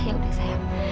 iya udah sayang